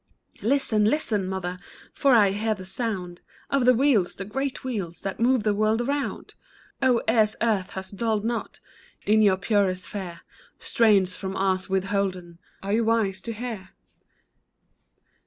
*' Listen, listen, mother ! For I hear the sound Of the wheels, the great wheels That move the world around !" Oh, ears earth has dulled not ! In your purer sphere. Strains from ours withholden Are you wise to hear